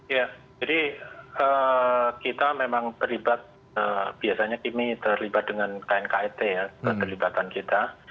ya jadi kita memang terlibat biasanya kami terlibat dengan knket ya keterlibatan kita